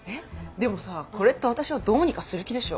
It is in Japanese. でもさこれって私をどうにかする気でしょ？